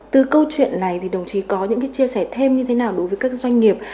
từ câu chuyện này thì đồng chí có những chia sẻ thêm như thế nào đối với các doanh nghiệp